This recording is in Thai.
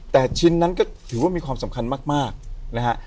แต่ชิ้นนั้นก็ถือว่ามีความสำคัญมากนะฮะ